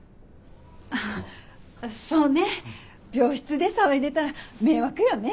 あっそうね病室で騒いでたら迷惑よね。